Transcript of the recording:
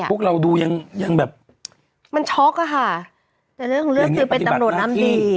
พวกเราดูยังยังแบบมันช็อกอะค่ะแต่เรื่องของเรื่องคือเป็นตำรวจน้ำดี